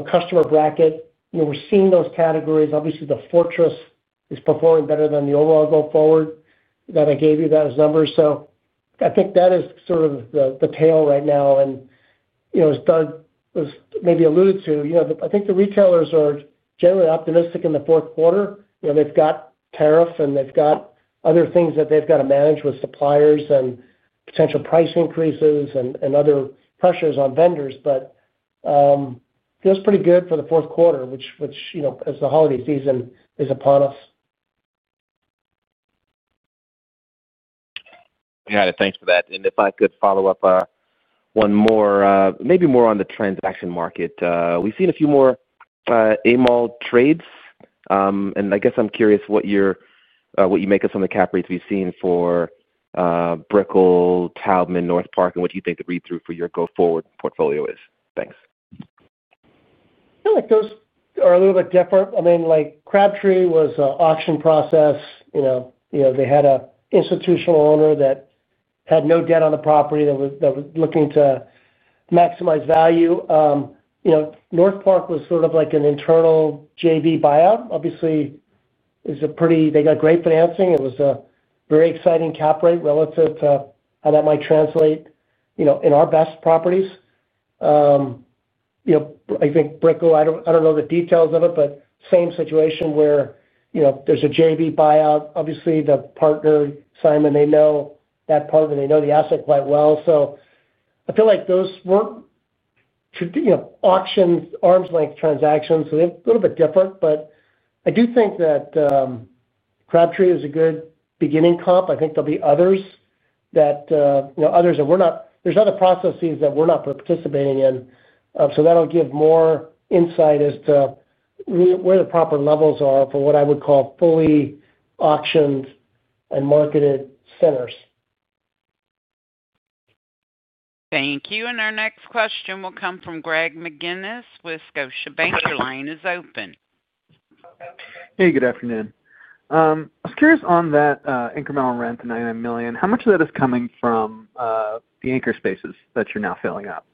customer bracket, we're seeing those categories. Obviously, the Fortress is performing better than the overall go-forward that I gave you as numbers, so I think that is sort of the tale right now, and as Doug maybe alluded to, I think the retailers are generally optimistic in the fourth quarter. They've got tariffs, and they've got other things that they've got to manage with suppliers and potential price increases and other pressures on vendors, but it feels pretty good for the fourth quarter, which, as the holiday season is upon us. Got it. Thanks for that, and if I could follow up. One more, maybe more on the transaction market. We've seen a few more A-mall trades, and I guess I'm curious what you make of some of the cap rates we've seen for Brickell, NorthPark, and what you think the read-through for your go-forward portfolio is. Thanks. I feel like those are a little bit different. I mean, Crabtree was an auction process. They had an institutional owner that had no debt on the property that was looking to maximize value. NorthPark was sort of like an internal JV buyout. Obviously. They got great financing. It was a very exciting cap rate relative to how that might translate in our best properties. I think Brickell, I don't know the details of it, but same situation where there's a JV buyout. Obviously, the partner, Simon, they know that partner. They know the asset quite well. So I feel like those weren't auctions, arm's length transactions, so they're a little bit different, but I do think that Crabtree is a good beginning comp. I think there'll be others that we're not participating in. There's other processes that we're not participating in, so that'll give more insight as to where the proper levels are for what I would call fully auctioned and marketed centers. Thank you. And our next question will come from Greg McGinniss with Scotiabank. Your line is open. Hey, good afternoon. I was curious on that incremental rent of $99 million. How much of that is coming from the anchor spaces that you're now filling up?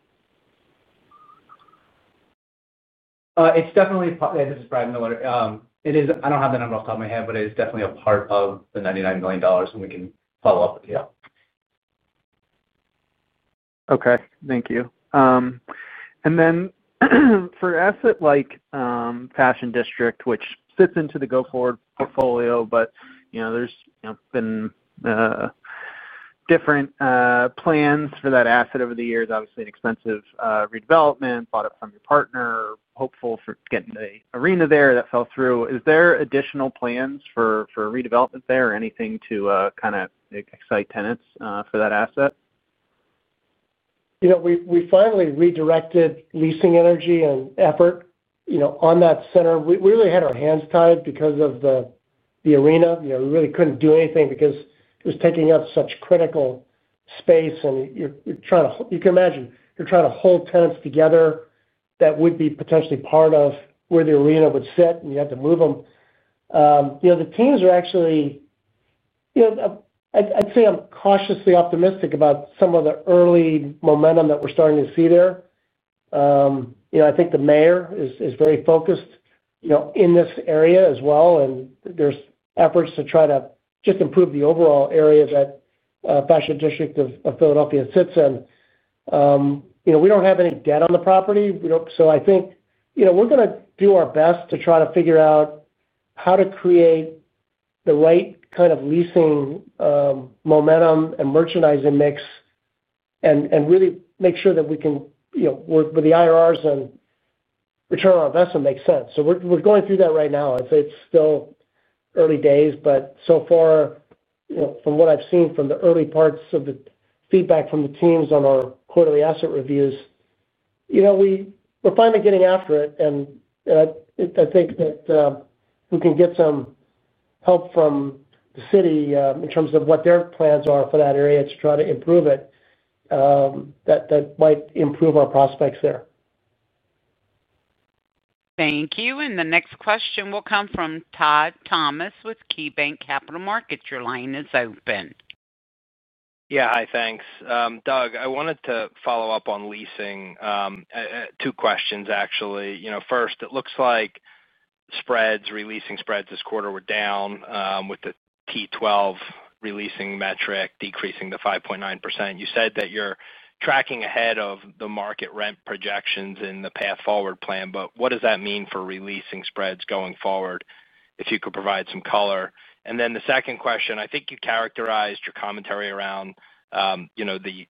It's definitely a part. This is Brad Miller. I don't have the number off the top of my head, but it is definitely a part of the $99 million, and we can follow up with you. Okay. Thank you. And then for assets like Fashion District, which sits into the go-forward portfolio, but there's been different plans for that asset over the years, obviously an expensive redevelopment, bought it from your partner, hopeful for getting an arena there that fell through. Is there additional plans for redevelopment there or anything to kind of excite tenants for that asset? We finally redirected leasing energy and effort on that center. We really had our hands tied because of the arena. We really couldn't do anything because it was taking up such critical space, and you can imagine, you're trying to hold tenants together that would be potentially part of where the arena would sit, and you had to move them. The teams are actually. I'd say I'm cautiously optimistic about some of the early momentum that we're starting to see there. I think the mayor is very focused in this area as well, and there's efforts to try to just improve the overall area that Fashion District Philadelphia sits in. We don't have any debt on the property, so I think we're going to do our best to try to figure out how to create the right kind of leasing momentum and merchandising mix, and really make sure that we can work with the IRRs and return on investment makes sense, so we're going through that right now. I'd say it's still early days, but so far, from what I've seen from the early parts of the feedback from the teams on our quarterly asset reviews. We're finally getting after it, and I think that we can get some help from the city in terms of what their plans are for that area to try to improve it. That might improve our prospects there. Thank you. And the next question will come from Todd Thomas with KeyBanc Capital Markets. Your line is open. Yeah. Hi, thanks. Doug, I wanted to follow up on leasing. Two questions, actually. First, it looks like leasing spreads this quarter were down with the T12 leasing metric decreasing to 5.9%. You said that you're tracking ahead of the market rent projections in the Path Forward Plan, but what does that mean for leasing spreads going forward if you could provide some color? And then the second question, I think you characterized your commentary around the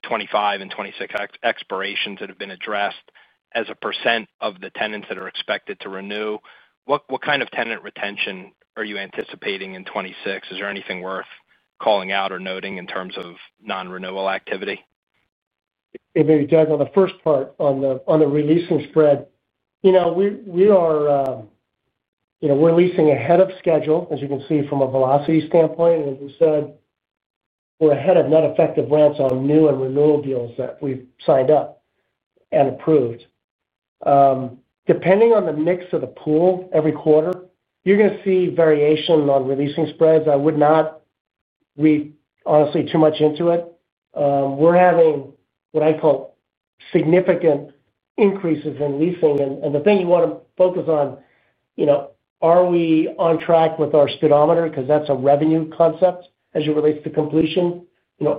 2025 and 2026 expirations that have been addressed as a percent of the tenants that are expected to renew. What kind of tenant retention are you anticipating in 2026? Is there anything worth calling out or noting in terms of non-renewal activity? It may be Doug on the first part on the leasing spreads. We are leasing ahead of schedule, as you can see from a velocity standpoint. And as we said, we're ahead of net effective rents on new and renewal deals that we've signed up and approved. Depending on the mix of the pool every quarter, you're going to see variation on leasing spreads. I would not, honestly, read too much into it. We're having what I call significant increases in leasing, and the thing you want to focus on is, are we on track with our speedometer? Because that's a revenue concept as it relates to completion.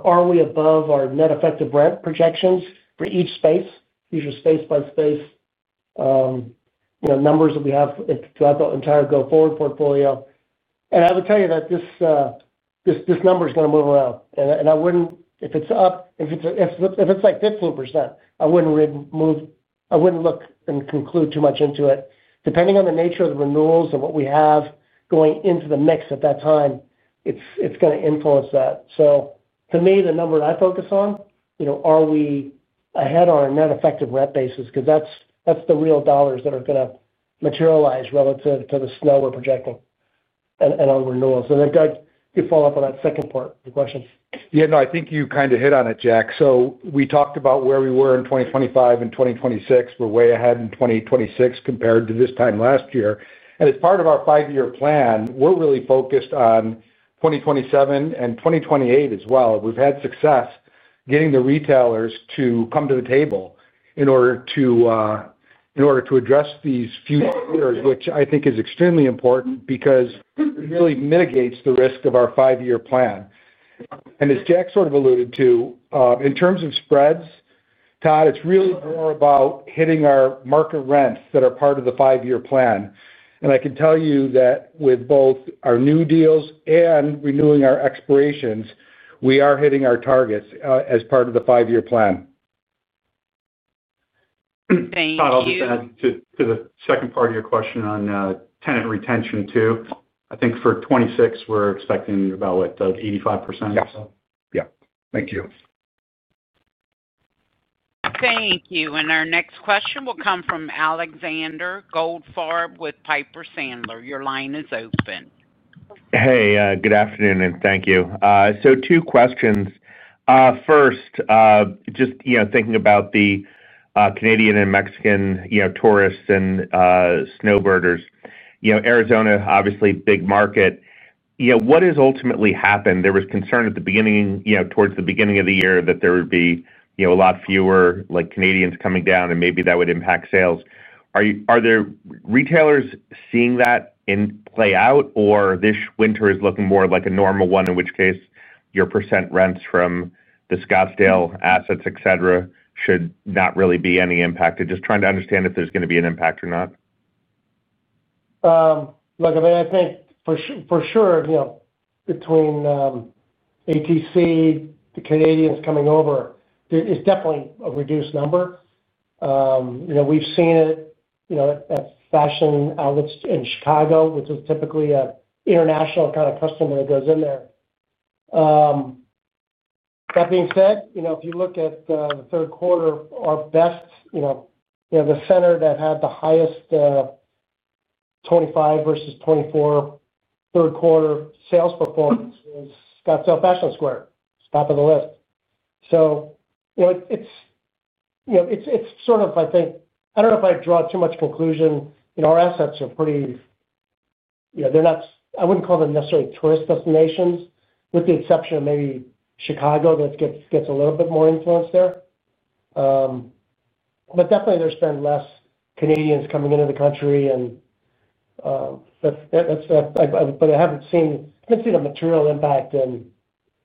Are we above our net effective rent projections for each space? These are space-by-space numbers that we have throughout the entire go-forward portfolio, and I would tell you that this number is going to move around. And if it's up, if it's like 15%, I wouldn't move. I wouldn't look and conclude too much into it. Depending on the nature of the renewals and what we have going into the mix at that time, it's going to influence that. To me, the number that I focus on is, are we ahead on a net effective rent basis? Because that's the real dollars that are going to materialize relative to the SNO we're projecting and on renewals, and Doug, you follow up on that second part of the question. Yeah. No, I think you kind of hit on it, Jack. So we talked about where we were in 2025 and 2026. We're way ahead in 2026 compared to this time last year. And as part of our five-year plan, we're really focused on 2027 and 2028 as well. We've had success getting the retailers to come to the table in order to address these future years, which I think is extremely important because it really mitigates the risk of our five-year plan. And as Jack sort of alluded to, in terms of spreads, Todd, it's really more about hitting our market rents that are part of the five-year plan. And I can tell you that with both our new deals and renewing our expirations, we are hitting our targets as part of the five-year plan. Thank you. Todd, I'll just add to the second part of your question on tenant retention too. I think for 2026, we're expecting about 85% or so. Yeah. Thank you. Thank you, and our next question will come from Alexander Goldfarb with Piper Sandler. Your line is open. Hey, good afternoon, and thank you. So two questions. First. Just thinking about the Canadian and Mexican tourists and snowbirders. Arizona, obviously, big market. What has ultimately happened? There was concern at the beginning, towards the beginning of the year, that there would be a lot fewer Canadians coming down, and maybe that would impact sales. Are there retailers seeing that play out, or this winter is looking more like a normal one, in which case your percent rents from the Scottsdale assets, etc., should not really be any impacted? Just trying to understand if there's going to be an impact or not. Look, I mean, I think for sure between ATC, the Canadians coming over, there is definitely a reduced number. We've seen it at Fashion Outlets of Chicago, which is typically an international kind of customer that goes in there. That being said, if you look at the third quarter, our best center that had the highest 2025 versus 2024 third quarter sales performance was Scottsdale Fashion Square, top of the list. So it's sort of, I think I don't know if I draw too much conclusion. Our assets are pretty. They're not, I wouldn't call them necessarily tourist destinations, with the exception of maybe Chicago that gets a little bit more influence there. But definitely, there's been less Canadians coming into the country. And that's but I haven't seen a material impact in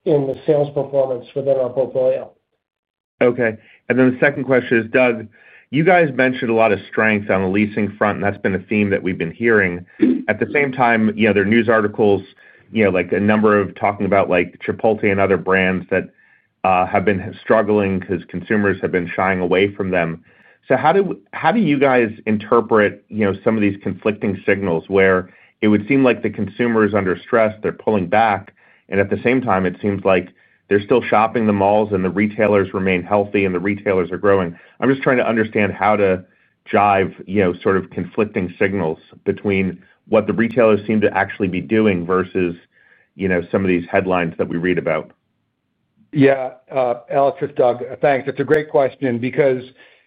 the sales performance within our portfolio. Okay. And then the second question is, Doug, you guys mentioned a lot of strength on the leasing front, and that's been a theme that we've been hearing. At the same time, there are news articles, like a number of talking about Chipotle and other brands that have been struggling because consumers have been shying away from them. So how do you guys interpret some of these conflicting signals where it would seem like the consumer is under stress, they're pulling back, and at the same time, it seems like they're still shopping the malls and the retailers remain healthy and the retailers are growing? I'm just trying to understand how to jive sort of conflicting signals between what the retailers seem to actually be doing versus some of these headlines that we read about. Yeah. Alex, this is Doug. Thanks. That's a great question because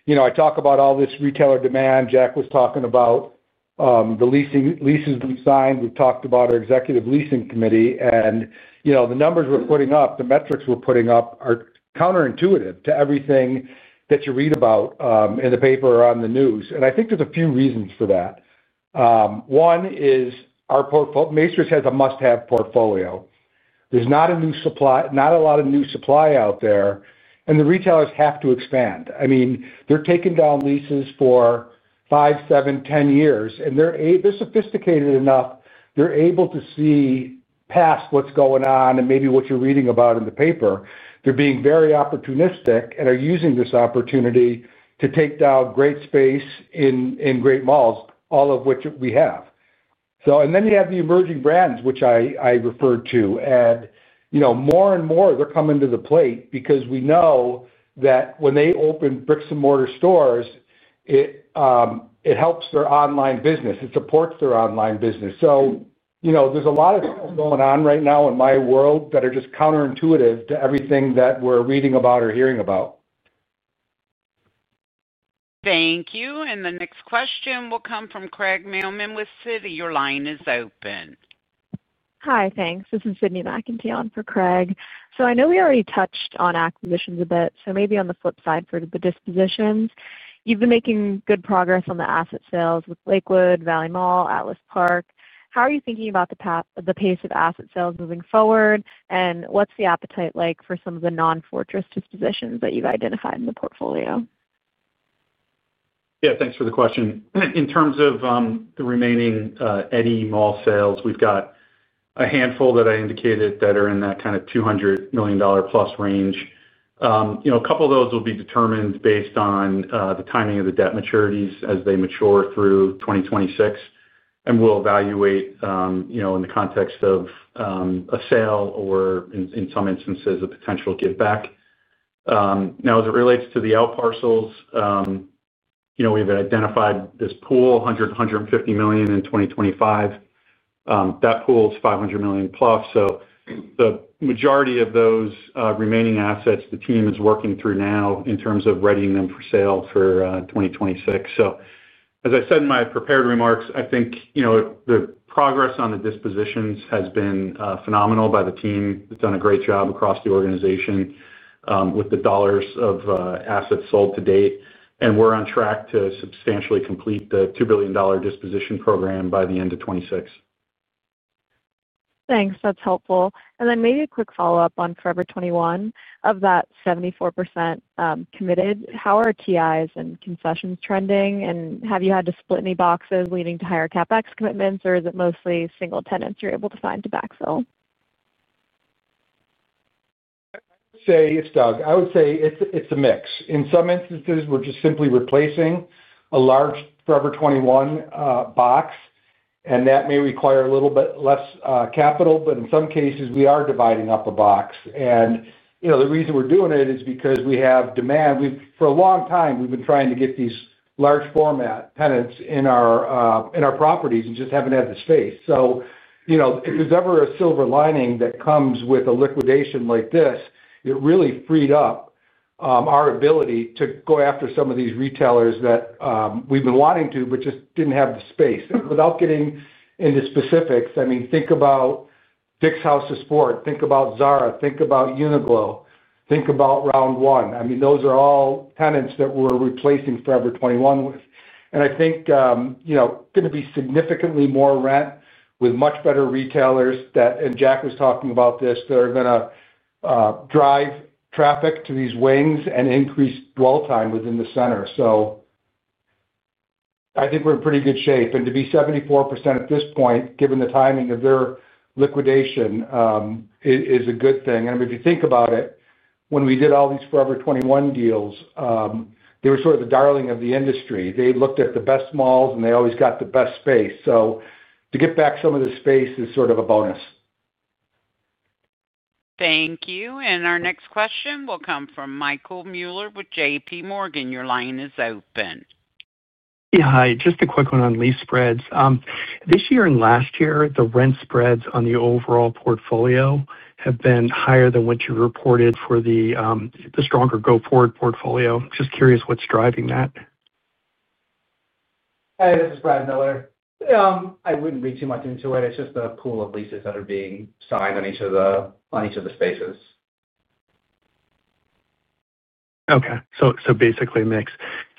I talk about all this retailer demand Jack was talking about. The leases we signed. We've talked about our executive leasing committee, and the numbers we're putting up, the metrics we're putting up are counterintuitive to everything that you read about in the paper or on the news. I think there's a few reasons for that. One is our Macerich has a must-have portfolio. There's not a lot of new supply out there, and the retailers have to expand. I mean, they're taking down leases for five, seven, 10 years, and they're sophisticated enough. They're able to see past what's going on and maybe what you're reading about in the paper. They're being very opportunistic and are using this opportunity to take down great space in great malls, all of which we have. Then you have the emerging brands, which I referred to, and more and more, they're coming to the plate because we know that when they open brick-and-mortar stores, it helps their online business. It supports their online business. There's a lot of things going on right now in my world that are just counterintuitive to everything that we're reading about or hearing about. Thank you, and the next question will come from Craig Mailman with Citi. Your line is open. Hi, thanks. This is Sydney McEntee for Craig. So I know we already touched on acquisitions a bit, so maybe on the flip side for the dispositions. You've been making good progress on the asset sales with Lakewood Center, Valley Mall, Atlas Park. How are you thinking about the pace of asset sales moving forward? And what's the appetite like for some of the non-Fortress dispositions that you've identified in the portfolio? Yeah. Thanks for the question. In terms of the remaining Eddy Mall sales, we've got a handful that I indicated that are in that kind of $200 million+ range. A couple of those will be determined based on the timing of the debt maturities as they mature through 2026, and we'll evaluate in the context of a sale or, in some instances, a potential give back. Now, as it relates to the out parcels, we've identified this pool, $100 million-$150 million in 2025. That pool is $500 million+. So the majority of those remaining assets, the team is working through now in terms of readying them for sale for 2026. So as I said in my prepared remarks, I think the progress on the dispositions has been phenomenal by the team. They've done a great job across the organization with the dollars of assets sold to date, and we're on track to substantially complete the $2 billion disposition program by the end of 2026. Thanks. That's helpful. And then maybe a quick follow-up on Forever 21. Of that 74% committed, how are TIs and concessions trending? And have you had to split any boxes leading to higher CapEx commitments, or is it mostly single tenants you're able to find to backfill? I would say it's Doug. I would say it's a mix. In some instances, we're just simply replacing a large Forever 21 box, and that may require a little bit less capital, but in some cases, we are dividing up a box. And the reason we're doing it is because we have demand. For a long time, we've been trying to get these large-format tenants in our properties and just haven't had the space. So if there's ever a silver lining that comes with a liquidation like this, it really freed up our ability to go after some of these retailers that we've been wanting to but just didn't have the space. And without getting into specifics, I mean, think about Dick's House of Sport, think about Zara, think about Uniqlo, think about Round One. I mean, those are all tenants that we're replacing Forever 21 with. And I think it's going to be significantly more rent with much better retailers that, and Jack was talking about this, that are going to drive traffic to these wings and increase dwell time within the center. So I think we're in pretty good shape. And to be 74% at this point, given the timing of their liquidation, is a good thing. And if you think about it, when we did all these Forever 21 deals, they were sort of the darling of the industry. They looked at the best malls, and they always got the best space. So to get back some of the space is sort of a bonus. Thank you, and our next question will come from Michael Mueller with JPMorgan. Your line is open. Yeah. Hi. Just a quick one on leasing spreads. This year and last year, the rent spreads on the overall portfolio have been higher than what you reported for the stronger go-forward portfolio. Just curious what's driving that. Hi. This is Brad Miller. I wouldn't read too much into it. It's just the pool of leases that are being signed on each of the spaces. Okay. So basically a mix.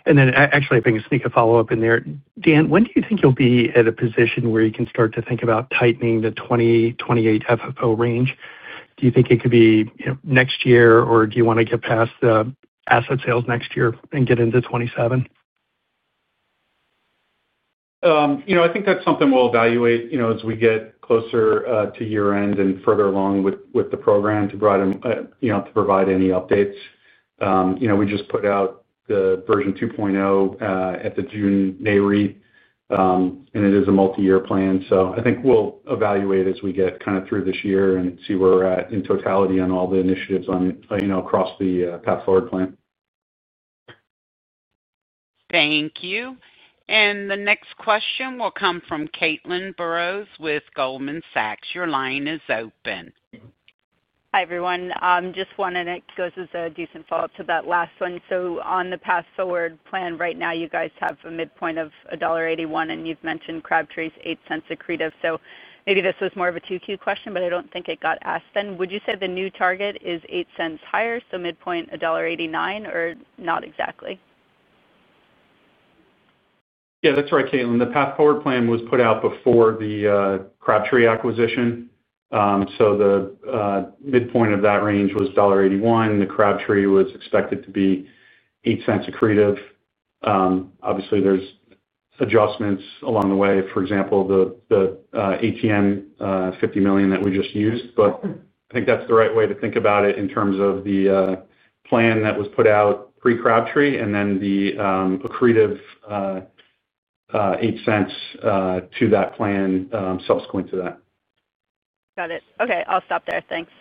And then actually, I think a sneak peek follow-up in there. Dan, when do you think you'll be at a position where you can start to think about tightening the 2028 FFO range? Do you think it could be next year, or do you want to get past the asset sales next year and get into 2027? I think that's something we'll evaluate as we get closer to year-end and further along with the program to provide any updates. We just put out the version 2.0 at the June May read. And it is a multi-year plan. So I think we'll evaluate as we get kind of through this year and see where we're at in totality on all the initiatives across the Path Forward Plan. Thank you. And the next question will come from Caitlin Burrows with Goldman Sachs. Your line is open. Hi, everyone. I just wanted to go as a decent follow-up to that last one. So on the Path Forward Plan right now, you guys have a midpoint of $1.81, and you've mentioned Crabtree's $0.08 accretive. So maybe this was more of a QQ question, but I don't think it got asked then. Would you say the new target is $0.08 higher, so midpoint $1.89, or not exactly? Yeah. That's right, Caitlin. The Path Forward Plan was put out before the Crabtree acquisition. So the midpoint of that range was $1.81. The Crabtree was expected to be $0.08 accretive. Obviously, there's adjustments along the way, for example, the ATM $50 million that we just used. But I think that's the right way to think about it in terms of the plan that was put out pre-Crabtree and then the accretive $0.08 to that plan subsequent to that. Got it. Okay. I'll stop there. Thanks.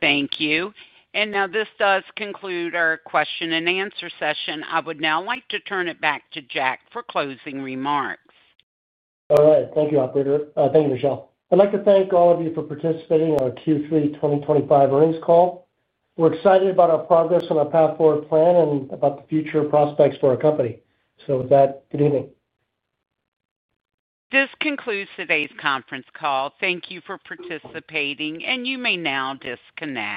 Thank you. And now this does conclude our question-and-answer session. I would now like to turn it back to Jack for closing remarks. All right. Thank you, operator. Thank you, Michelle. I'd like to thank all of you for participating in our Q3 2025 earnings call. We're excited about our progress on our Path Forward Plan and about the future prospects for our company. So with that, good evening. This concludes today's conference call. Thank you for participating, and you may now disconnect.